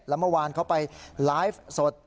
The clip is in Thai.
แล้วเมื่อวานเขาไปไลฟ์สด